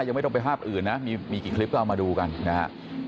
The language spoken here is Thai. ยังไม่ต้องไปภาพอื่นนะมีกี่คลิปก็เอามาดูกันนะฮะ